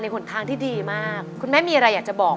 หนทางที่ดีมากคุณแม่มีอะไรอยากจะบอก